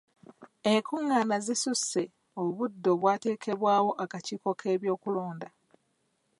Enkungaana zisusse obudde obwateekebwawo akakiiko k'ebyokulonda.